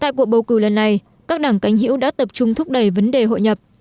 tại cuộc bầu cử lần này các đảng cánh hữu đã tập trung thúc đẩy vấn đề hội nhập